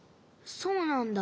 そうなんだ。